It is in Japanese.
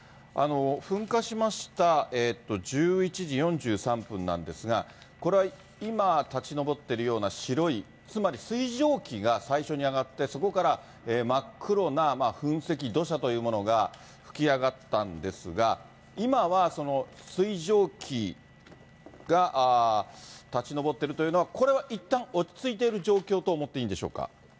噴火しました１１時４３分なんですが、これは今、立ち上っているような白い、つまり水蒸気が最初に上がって、そこから真っ黒な噴石、土砂というものが噴き上がったんですが、今は、その水蒸気が立ち上ってるというのは、これはいったん落ち着いている状況と思っていいんでしょうか。